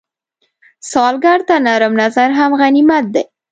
سوالګر ته نرم نظر هم غنیمت دی